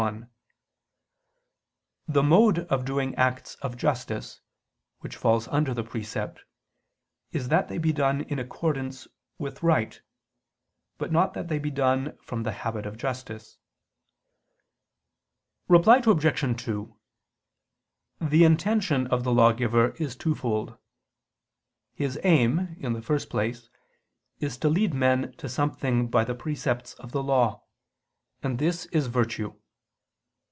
1: The mode of doing acts of justice, which falls under the precept, is that they be done in accordance with right; but not that they be done from the habit of justice. Reply Obj. 2: The intention of the lawgiver is twofold. His aim, in the first place, is to lead men to something by the precepts of the law: and this is virtue.